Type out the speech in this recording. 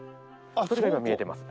それが今見えてます。